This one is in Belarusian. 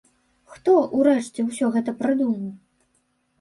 Хто, урэшце, усё гэта прыдумаў?